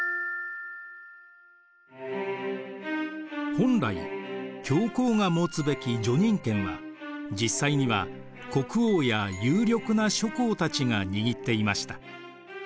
本来教皇が持つべき叙任権は実際には国王や有力な諸侯たちが握っていました。